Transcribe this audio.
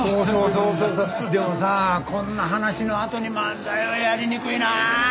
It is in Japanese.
でもさこんな話のあとに漫才はやりにくいなあ。